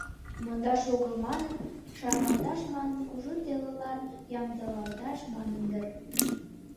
Мондаш огыл манын, шарналташ манын, кужу телылан ямдылалташ манын дыр.